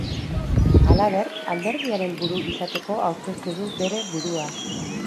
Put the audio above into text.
Halaber, alderdiaren buru izateko aurkeztu du bere burua.